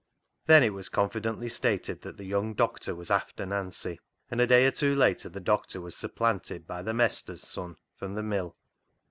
Then it was confidently stated that the young doctor was " after " Nancy, and a day or two later the doctor was supplanted by " the mestur's " son from the mill.